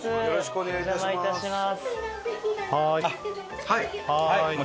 お邪魔致します。